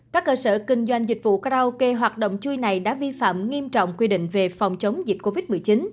các cơ sở kinh doanh dịch vụ karaoke hoạt động chui này đã vi phạm nghiêm trọng quy định về phòng chống dịch covid một mươi chín